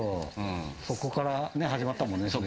そこから始まったもんね。